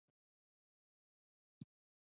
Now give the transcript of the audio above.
د ښار جوړونې وزارت پلانونه څنګه دي؟